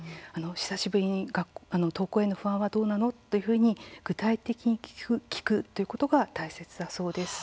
久しぶりの登校への不安はどうなの？というふうに具体的に聞くということが大切だそうです。